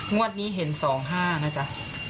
งวดนี้เห็น๒๕นะจ๊ะ